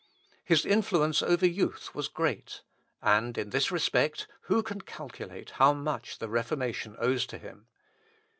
His influence over youth was great; and, in this respect, who can calculate how much the Reformation owes to him?